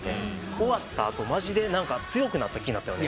終わった後マジで強くなった気なったよね。